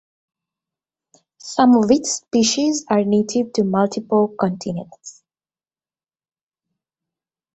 Some of its species are native to multiple continents.